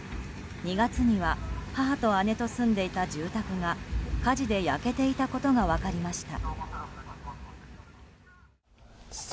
２月には母と姉と住んでいた住宅が火事で焼けていたことが分かりました。